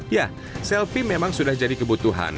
ya selfie memang sudah jadi kebutuhan